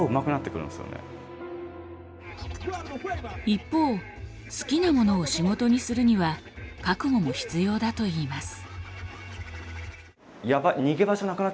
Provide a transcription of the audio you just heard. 一方好きなものを仕事にするには覚悟も必要だといいます。